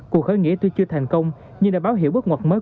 cuộc khởi nghĩa tuy chưa thành công nhưng đã báo hiệu bước ngoặt mới